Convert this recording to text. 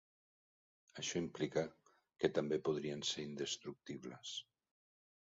Això implica que també podrien ser indestructibles.